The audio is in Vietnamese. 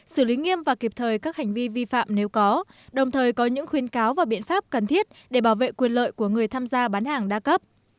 xử lý nghiêm và kịp thời các hành vi vi phạm nếu có đồng thời có những khuyên cáo và biện pháp cần thiết để bảo vệ quyền lợi của người tham gia bán hàng đa cấp